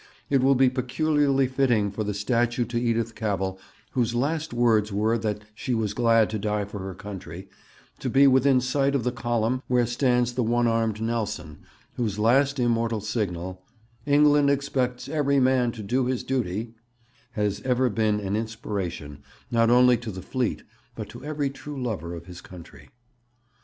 It will be peculiarly fitting for the statue to Edith Cavell, whose last words were that she was glad to die for her country, to be within sight of the column where stands the one armed Nelson, whose last immortal signal, 'England expects every man to do his duty,' has ever been an inspiration not only to the Fleet, but to every true lover of his country.